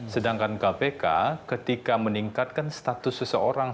sedangkan kpk ketika meningkatkan status seseorang